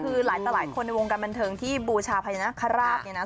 ปติภารกษ์หลายคนในวงการบันเทิงที่บูชาพัยนคราฟ